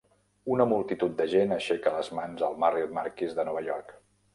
Una multitud de gent aixeca les mans al Marriott Marquis de Nova York.